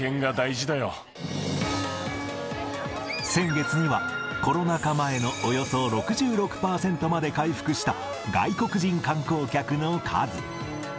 先月には、コロナ禍前のおよそ６６％まで回復した、外国人観光客の数。